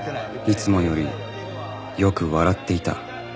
いつもよりよく笑っていた